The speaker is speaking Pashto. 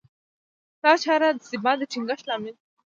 دا چاره د ثبات د ټینګښت لامل شوه.